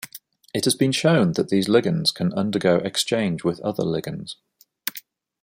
It has been shown that these ligands can undergo exchange with other ligands.